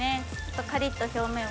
カリっと表面を。